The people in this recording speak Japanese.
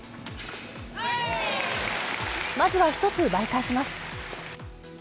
まずは１つ奪い返します。